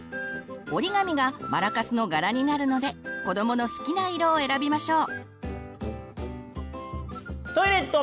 折り紙がマラカスの柄になるので子どもの好きな色を選びましょう。